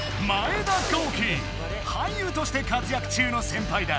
俳優として活躍中の先輩だ。